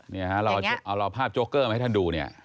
เราเอาภาพโจ๊เกอร์มาให้ท่านดูเนี่ย